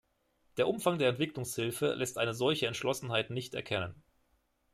Der Umfang der Entwicklungshilfe lässt eine solche Entschlossenheit nicht erkennen.